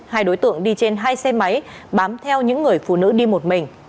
hai đối tượng đi trên hai xe máy bám theo những người phụ nữ đi một mình